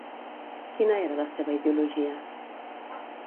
Quina era la seva ideologia?